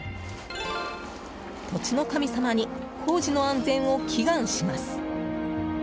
土地の神様に工事の安全を祈願します。